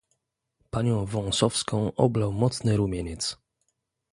"Panią Wąsowską oblał mocny rumieniec."